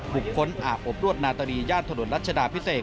บุคคลอาบอบนวดนาตรีย่านถนนรัชดาพิเศษ